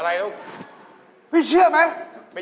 ตั้งนึงนะ